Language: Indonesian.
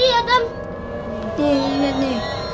tidak ada yang bisa dipercaya